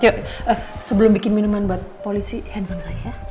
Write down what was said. yuk sebelum bikin minuman buat polisi handphone saya ya